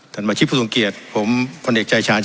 ท่านหมอชิพภูมิสูงเกียรติผมพลเอกชายชาญช้ามงคล